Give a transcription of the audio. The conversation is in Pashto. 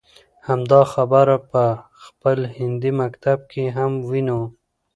همدا خبره په خپل هندي مکتب کې هم وينو.